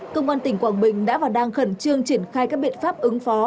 công an tỉnh quảng bình đã vào đăng khẩn trương triển khai các biện pháp ứng phó